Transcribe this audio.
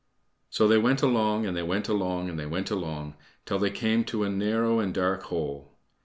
So they went along, and they went along, and they went along till they came to a narrow and dark hole.